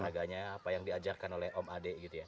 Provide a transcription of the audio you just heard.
olahraganya apa yang diajarkan oleh om adi gitu ya